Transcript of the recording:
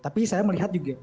tapi saya melihat juga